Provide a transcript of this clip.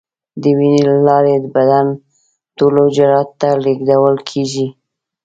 د وینې له لارې د بدن ټولو حجراتو ته لیږدول کېږي.